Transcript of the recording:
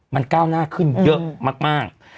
มันก้าวหน้าขึ้นเยอะมาก